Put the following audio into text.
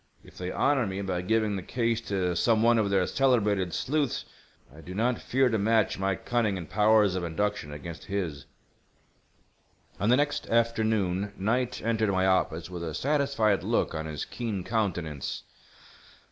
If they honor me by giving the case to some one of their celebrated sleuths I do not fear to match my cunning and powers of induction against his." On the next afternoon Knight entered my office with a satisfied look on his keen countenance.